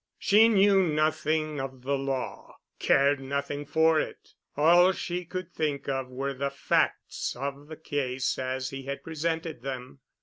She knew nothing of the law, cared nothing for it. All she could think of were the facts of the case as he had presented them.